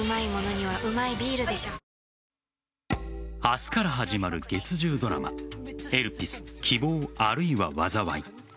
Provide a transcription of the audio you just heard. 明日から始まる月１０ドラマ「エルピス―希望、あるいは災い―」